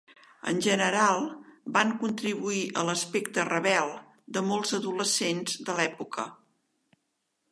En general, van contribuir a l'aspecte "rebel" de molts adolescents de l'època.